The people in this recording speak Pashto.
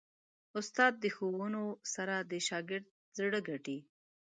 استاد د ښوونو سره د شاګرد زړه ګټي.